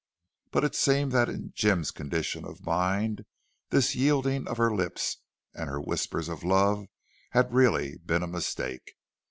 But it seemed that in Jim's condition of mind this yielding of her lips and her whispers of love had really been a mistake.